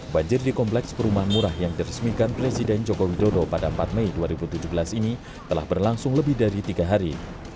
banjir di kompleks perumahan murah yang diresmikan presiden joko widodo pada empat mei dua ribu tujuh belas ini telah berlangsung lebih dari tiga hari